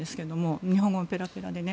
日本語もペラペラで。